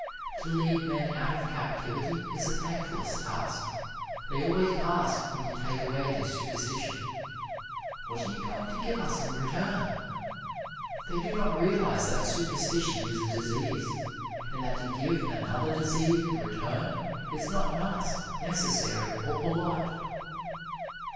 To lead men out of captivity is a thankless task. They always ask when you take away their superstition, "What are you going to give us in return?" They do not realize that superstition is a disease, and that to give another disease in return is not nice, necessary or polite.